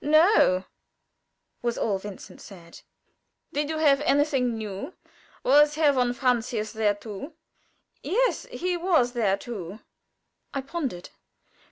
"No," was all Vincent said. "Did you have anything new? Was Herr von Francius there too?" "Yes; he was there too." I pondered.